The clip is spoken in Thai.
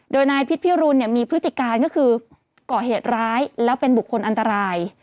โดยนายพิษพิรุณมีพฤติการก็คือก่อเหตุร้ายแล้วเป็นบุคคลอันตราย